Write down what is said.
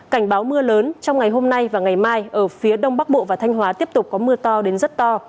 cảnh báo mưa lớn trong ngày hôm nay và ngày mai ở phía đông bắc bộ và thanh hóa tiếp tục có mưa to đến rất to